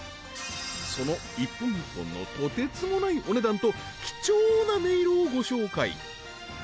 その１本１本のとてつもないお値段と貴重な音色をご紹介